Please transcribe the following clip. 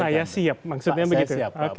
pak saya siap maksudnya begitu